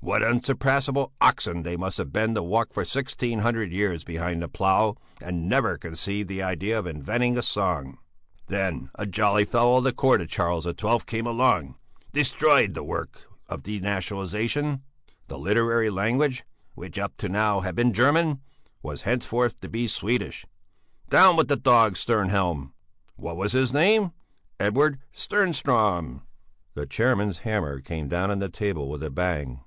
"What unsurpassable oxen they must have been to walk for sixteen hundred years behind the plough and never conceive the idea of inventing a song! "Then a jolly fellow of the court of Charles XII came along and destroyed the whole work of denationalization. The literary language, which up to now had been German, was henceforth to be Swedish: Down with the dog Stjernhjelm! "What was his name? Edward Stjernström!" The chairman's hammer came down on the table with a bang.